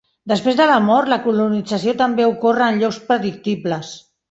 Després de la mort, la colonització també ocorre en llocs predictibles.